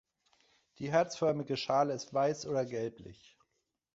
Die herzförmige Schale ist weiß oder gelblich.